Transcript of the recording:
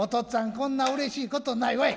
こんな嬉しいことないわい。